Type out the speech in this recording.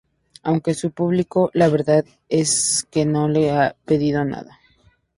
Aunque su público, la verdad, es que no le ha pedido nada.